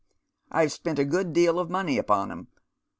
I've spent a good deal of money upon 'em.